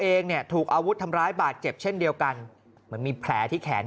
เองเนี่ยถูกอาวุธทำร้ายบาดเจ็บเช่นเดียวกันเหมือนมีแผลที่แขน